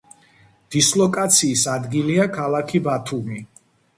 დისლოკაციის ადგილია ქალაქი ბათუმი.